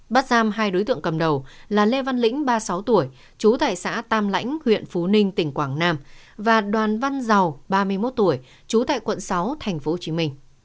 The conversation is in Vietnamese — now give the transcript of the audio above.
bắt giam hai đối tượng cầm đầu là lê văn lĩnh ba mươi sáu tuổi trú tại xã tam lãnh huyện phú ninh tỉnh quảng nam và đoàn văn giàu ba mươi một tuổi trú tại quận sáu tp hcm